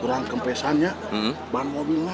kurang kempesannya bahan mobilnya